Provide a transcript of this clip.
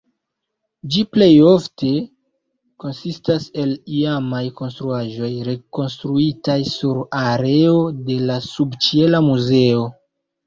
Ĝi plej ofte konsistas el iamaj konstruaĵoj, rekonstruitaj sur areo de la subĉiela muzeo.